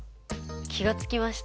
気が付きました？